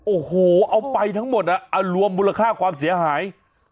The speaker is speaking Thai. โอ้โหเอาไปทั้งหมดเอารวมมูลค่าความเสียหาย